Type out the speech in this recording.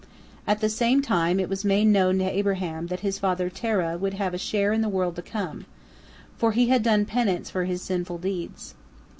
At the same time, it was made known to Abraham that his father Terah would have a share in the world to come, for he had done penance for his sinful deeds.